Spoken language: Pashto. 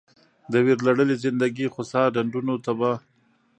د ویرلړلې زندګي خوسا ډنډونو ته به